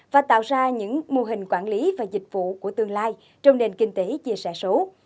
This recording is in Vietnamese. và tạo ra những mô hình quản lý và dịch vụ của tương lai trong nền kinh tế chia sẻ số